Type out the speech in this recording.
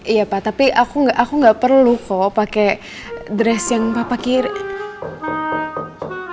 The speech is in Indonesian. iya pa tapi aku nggak perlu kok pakai dress yang papa kirim